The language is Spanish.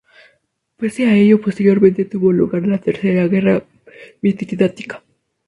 Pese a ello posteriormente tuvo lugar la tercera guerra mitridática.